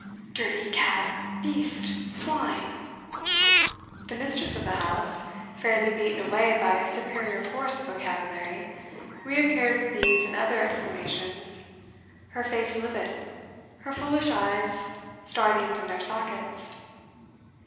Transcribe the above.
'Dirty cat! beast! swine!' The mistress of the house, fairly beaten away by superior force of vocabulary, reappeared with these and other exclamations, her face livid, her foolish eyes starting from their sockets.